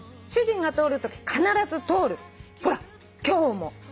「主人が通るとき必ず通るほら今日も」